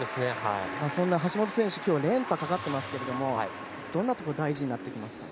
そんな橋本選手は連覇がかかっていますがどんなところが大事になってきますか？